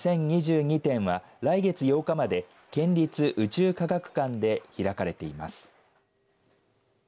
ビーコロ２０２２展は来月８日まで県立宇宙科学館で開かれています。